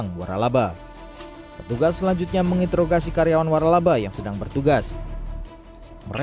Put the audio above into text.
gak ada kenapa gak dipajang di atas mas